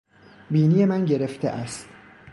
بینی من گرفته است.